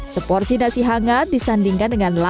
seporsi nasi hangat disandingkan dengan nasi batuar